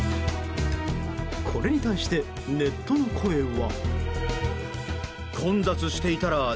これに対して、ネットの声は。